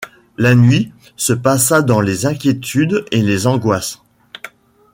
La nuit se passa dans les inquiétudes et les angoisses.